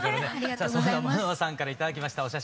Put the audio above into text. さあそんな舞乃空さんから頂きましたお写真